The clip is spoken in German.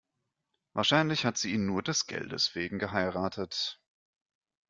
Wahrscheinlich hat sie ihn nur des Geldes wegen geheiratet.